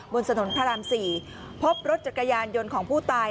บนถนนพระราม๔พบรถจักรยานยนต์ของผู้ตาย